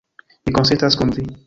Mi konsentas kun vi